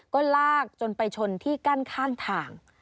ก็ลากจนไปชนที่กั้นข้างทาง